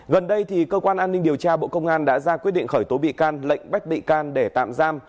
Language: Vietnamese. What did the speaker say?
gần đây cơ quan an ninh điều tra bộ công an đã ra quyết định khởi tố bị can lệnh bắt bị can để tạm giam